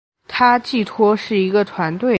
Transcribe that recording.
它寄托是一个团队